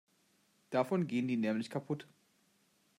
Davon gehen die nämlich kaputt.